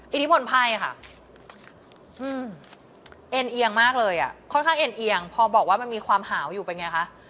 อิทธิพลไพ่ค่ะเอ็นเอียงมากเลยอ่ะค่อนข้างเอ็นเอียงพอบอกว่ามันมีความหาวอยู่เป็นไงคะ